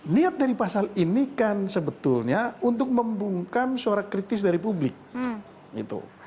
niat dari pasal ini kan sebetulnya untuk membungkam suara kritis dari publik gitu